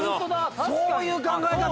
そういう考え方か。